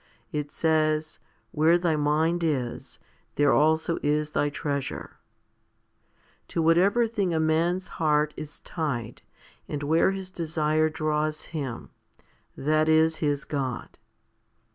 It says, Where thy mind is, there also is thy treasure* To whatever thing a man's heart is tied, and where his desire draws him, that is his God.